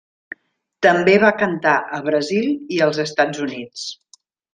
També va cantar a Brasil i als Estats Units.